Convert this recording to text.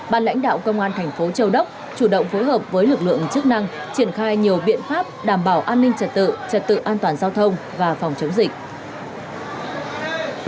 ban lãnh đạo công an thành phố châu đốc chủ động phối hợp với lực lượng chức năng triển khai nhiều biện pháp đảm bảo an ninh trật tự trật tự an toàn giao thông và phòng chống dịch